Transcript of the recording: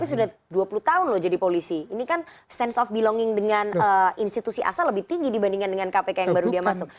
tapi sudah dua puluh tahun loh jadi polisi ini kan sense of belonging dengan institusi asal lebih tinggi dibandingkan dengan kpk yang baru dia masuk